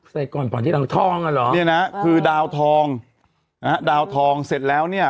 ใส่ก่อนก่อนที่เราทองอ่ะเหรอเนี่ยนะคือดาวทองนะฮะดาวทองเสร็จแล้วเนี่ย